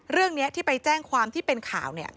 เรื่องนี้ที่ไปแจ้งความที่เป็นข่าวเนี่ย